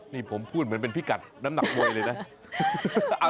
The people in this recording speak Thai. นี่ผมพูดเหมือนเป็นพิกัดน้ำหนักมวยเลยนะ